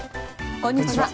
こんにちは。